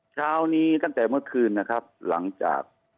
เช้านี้ตั้งแต่เมื่อคืนหลังจาก